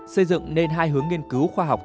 xây dựng nên hai hướng nghiên cứu khoa học